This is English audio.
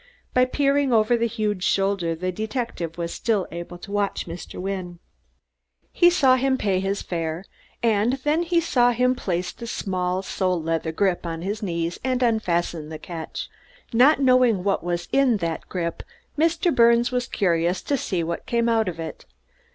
By peering over a huge shoulder the detective was still able to watch Mr. Wynne. He saw him pay his fare, and then he saw him place the small sole leather grip on his knees and unfasten the catch. Not knowing what was in that grip Mr. Birnes was curious to see what came out of it.